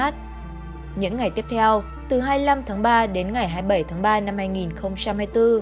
những ngày tiếp theo từ hai mươi năm tháng ba đến ngày hai mươi bảy tháng ba năm hai nghìn hai mươi bốn